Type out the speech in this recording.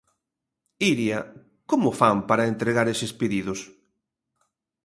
Iria, como fan para entregar eses pedidos?